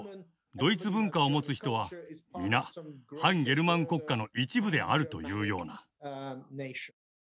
ドイツ文化を持つ人は皆汎ゲルマン国家の一部であるというような。